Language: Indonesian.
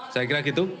saya kira gitu